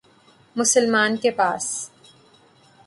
مسلمان کے پاس